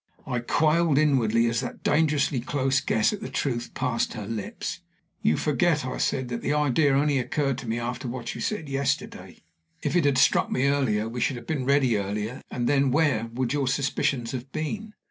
I quailed inwardly as that dangerously close guess at the truth passed her lips. "You forget," I said, "that the idea only occurred to me after what you said yesterday. If it had struck me earlier, we should have been ready earlier, and then where would your suspicions have been?"